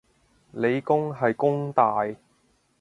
理工係弓大